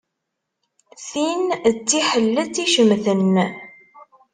Tin d tiḥilet icemten.